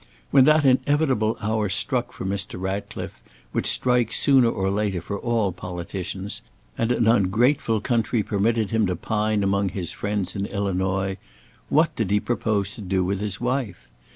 When that inevitable hour struck for Mr. Ratcliffe, which strikes sooner or later for all politicians, and an ungrateful country permitted him to pine among his friends in Illinois, what did he propose to do with his wife?